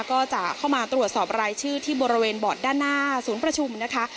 ก็จะเข้ามาตรวจสอบรายชื่อที่บริเวณบอร์ดด้านหน้าศูนย์ประชุมนะคะ